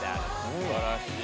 すばらしい。